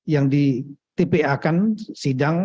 yang ditipuakan sidang